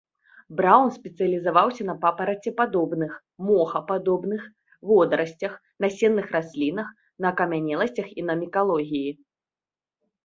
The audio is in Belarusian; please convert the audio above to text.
Браўн спецыялізаваўся на папарацепадобных, мохападобных, водарасцях, насенных раслінах, на акамянеласцях і на мікалогіі.